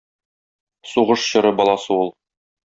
Сугыш чоры баласы ул.